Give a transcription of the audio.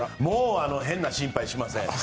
変な心配しません。